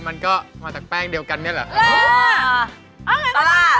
มันก็มาจากแป้งเดียวกันนี่แหละ